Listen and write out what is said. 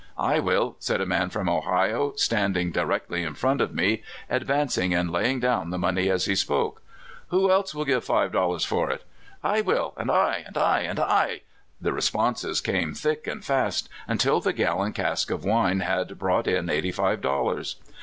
"I will," said a man from Ohio, standing directly in front of me, advancing and laying down the money as he spoke. "Who else will give five dollars for it?" "I will"— "And 'I "—"And I"— "And I"— the responses came thick and fast, until the gallon cask of wine had brought in eighty five dollars.